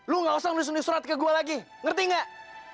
lo gak usah nulis nulis surat ke gue lagi ngerti gak